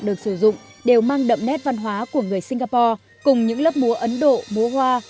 được sử dụng đều mang đậm nét văn hóa của người singapore cùng những lớp múa ấn độ múa hoa